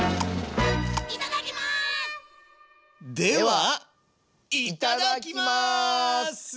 ではいただきます！